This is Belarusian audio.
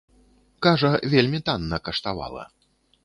Кажа, вельмі танна каштавала.